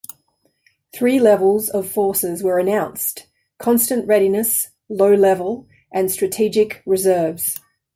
Three levels of forces were announced; constant readiness, low-level, and strategic reserves.